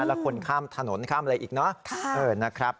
แล้วคนข้ามถนนข้ามอะไรอีกเนอะนะครับ